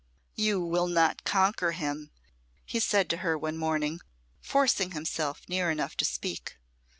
"You will not conquer him," he said to her one morning, forcing himself near enough to speak.